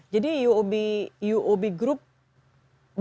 jadi uob group berapa